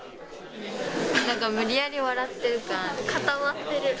なんか無理やり笑ってる感あ固まってる。